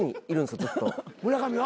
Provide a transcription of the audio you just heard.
村上は？